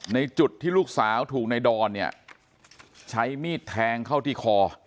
ในจุดที่ลูกสาวถูกในดอนเนี่ยใช้มีดแทงเข้าที่คอ